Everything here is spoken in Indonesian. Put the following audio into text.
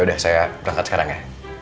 udah saya berangkat sekarang ya